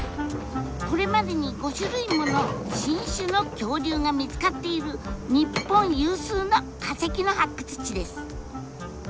これまでに５種類もの新種の恐竜が見つかっている日本有数の化石の発掘地です。